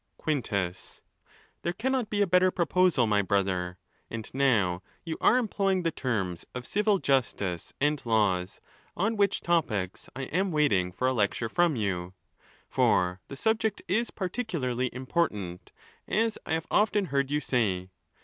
| Quintus.—There cannot be a better proposal, my brother. And now you are employing the terms of civil justice and laws, on which topics I am waiting for a lecture from you, for the subject is particularly important, as I have often heard you say.